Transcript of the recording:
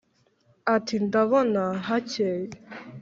Ati: ndabona hakeye